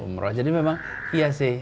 umroh aja ini memang iya sih